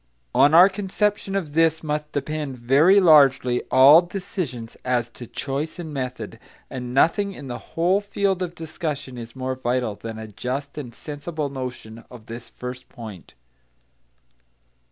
On our conception of this must depend very largely all decisions as to choice and method; and nothing in the whole field of discussion is more vital than a just and sensible notion of this first point.